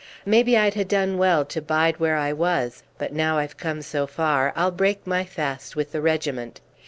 "Maybe I'd ha' done well to bide where I was; but now I've come so far, I'll break my fast with the regiment."